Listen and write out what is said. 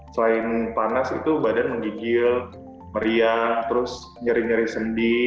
selain panas itu badan menggigil meriang terus nyeri nyeri sendi